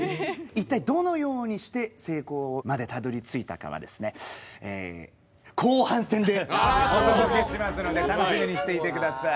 一体どのようにして成功までたどりついたかはえ後半戦でお届けしますので楽しみにしていて下さい。